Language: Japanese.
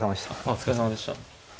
お疲れさまでした。